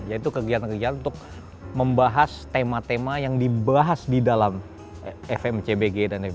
yaitu kegiatan kegiatan untuk membahas tema tema yang dibahas di dalam fm cbg dan fb